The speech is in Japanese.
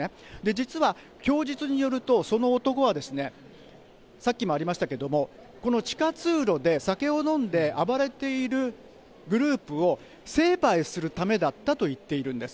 実は供述によると、その男はさっきもありましたけれども、この地下通路で酒を飲んで暴れているグループを成敗するためだったと言っているんです。